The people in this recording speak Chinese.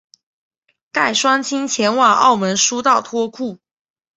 带双亲前往澳门输到脱裤